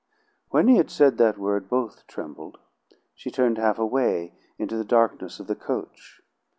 When he had said that word both trembled. She turned half away into the darkness of the coach.